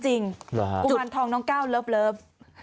หรือฮะจุดกุมารทองน้องก้าวเลิฟ